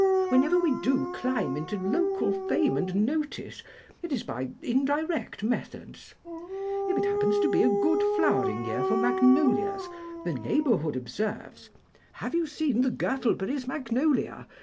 Whenever we do climb into local fame and notice, it is by indirect methods; if it happens to be a good flowering year for magnolias the neighbourhood observes: 'Have you seen the Gurtleberry's magnolia?